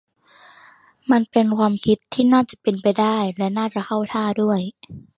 มันเป็นความคิดที่น่าจะเป็นไปได้และน่าจะเข้าท่าด้วย